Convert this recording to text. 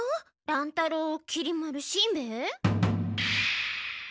乱太郎きり丸しんべヱ？